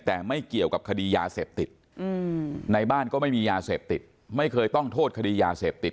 แต่ไม่เกี่ยวกับคดียาเสพติดในบ้านก็ไม่มียาเสพติดไม่เคยต้องโทษคดียาเสพติด